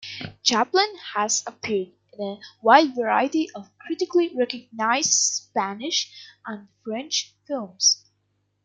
Chaplin has appeared in a wide variety of critically recognised Spanish and French films.